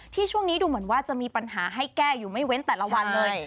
ช่วงนี้ดูเหมือนว่าจะมีปัญหาให้แก้อยู่ไม่เว้นแต่ละวันเลย